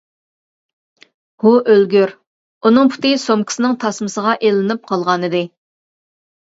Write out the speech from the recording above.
ھۇ ئۆلگۈر، ئۇنىڭ پۇتى سومكىسىنىڭ تاسمىسىغا ئىلىنىپ قالغانىدى.